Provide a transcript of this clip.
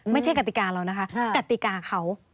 กติกาเรานะคะกติกาเขา